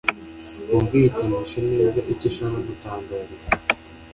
wumvikanishe neza icyo ushaka gutangariza